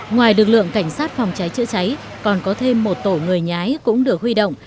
ngoài lực lượng cảnh sát phòng cháy chữa cháy còn có thêm một tổ người nhái cũng được huy động